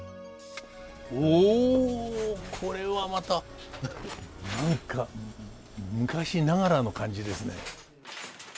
おおこれはまた何か昔ながらの感じですね。